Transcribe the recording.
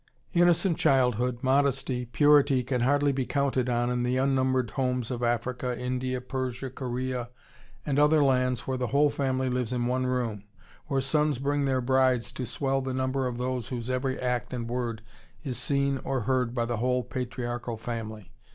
] Innocent childhood, modesty, purity can hardly be counted on in the unnumbered homes of Africa, India, Persia, Korea, and other lands where the whole family lives in one room, where sons bring their brides to swell the number of those whose every act and word is seen or heard by the whole patriarchal family.